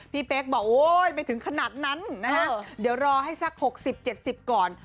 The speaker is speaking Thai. พี่เป๊กบอกโอ้ยไม่ถึงขนาดนั้นนะฮะเดี๋ยวรอให้สักหกสิบเจ็ดสิบก่อน